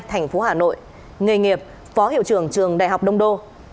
thành phố hà nội nghề nghiệp phó hiệu trưởng trường đại học đông đô